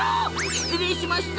失礼しました